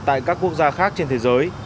tại các quốc gia khác trên thế giới